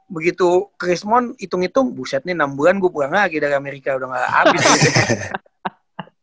begitu chris mon hitung hitung buset nih enam bulan gue pulang lagi dari amerika udah gak abis gitu